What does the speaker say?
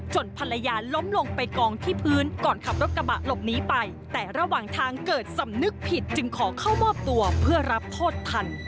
ภรรยาล้มลงไปกองที่พื้นก่อนขับรถกระบะหลบหนีไปแต่ระหว่างทางเกิดสำนึกผิดจึงขอเข้ามอบตัวเพื่อรับโทษทัน